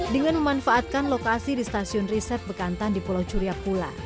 dengan memanfaatkan lokasi di stasiun riset bekantan di pulau curiak pula